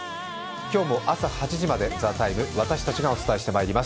今日も朝８時まで「ＴＨＥＴＩＭＥ，」私たちがお伝えしてまいります。